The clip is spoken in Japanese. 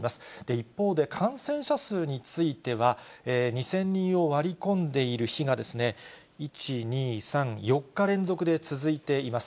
一方で、感染者数については、２０００人を割り込んでいる日が１、２、３、４日連続で続いています。